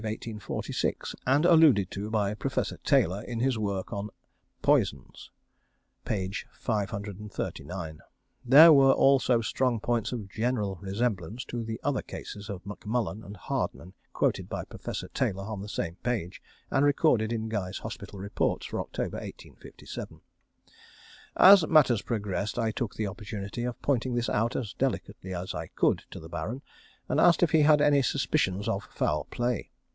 1846, and alluded to by Professor Taylor in his work on Poisons, p. 539. There were also strong points of general resemblance to the other cases of McMullen and Hardman, quoted by Professor Taylor at the same page, and recorded in Guy's Hospital Reports for October, 1857. As matters progressed, I took the opportunity of pointing this out as delicately as I could to the Baron, and asked if he had any suspicions of foul play.